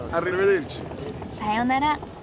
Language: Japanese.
さようなら。